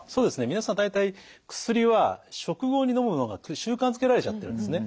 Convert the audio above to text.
皆さん大体薬は食後にのむのが習慣づけられちゃってるんですね。